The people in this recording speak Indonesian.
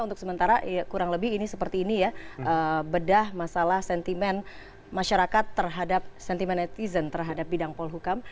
untuk sementara kurang lebih ini seperti ini ya bedah masalah sentimen masyarakat terhadap sentimen netizen terhadap bidang polhukam